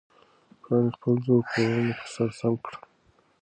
پاڼې خپل زوړ پړونی په سر سم کړ.